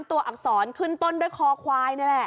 อักษรขึ้นต้นด้วยคอควายนี่แหละ